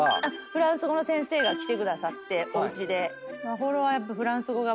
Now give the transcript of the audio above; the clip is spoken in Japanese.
フランス語の先生が来てくださっておうちで。